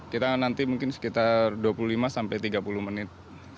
kita nanti mungkin sekitar dua puluh lima sampai tiga puluh menit